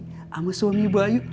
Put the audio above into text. sama suami ibu ayu